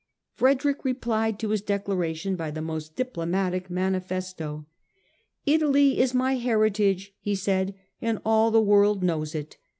Frederick replied to this declaration by a most diplomatic manifesto. " Italy is my heritage," he said, " and all the world knows it.